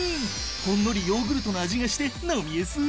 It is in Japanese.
ほんのりヨーグルトの味がして飲みやすい！